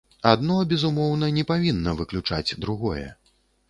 Адно, безумоўна, не павінна выключаць другое.